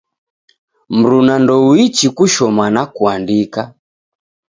Mruna ndouichi kushoma na kuandika